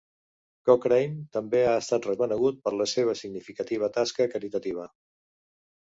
Cochrane també ha estat reconegut per la seva significativa tasca caritativa.